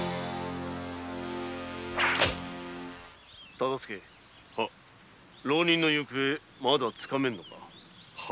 大岡浪人の行方まだつかめぬのか？